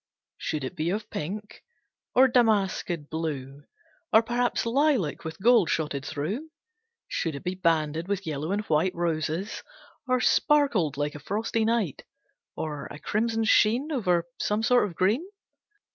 Should it be of pink, or damasked blue? Or perhaps lilac with gold shotted through? Should it be banded with yellow and white Roses, or sparked like a frosty night? Or a crimson sheen Over some sort of green?